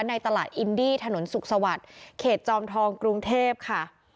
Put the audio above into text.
ในตลาดอินดี้ถนนสุขสวัสดิ์เขตจอมทองกรุงเทพค่ะ